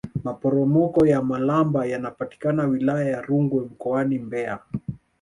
maporomoko ya malamba yanapatikana wilaya ya rungwe mkoani mbeya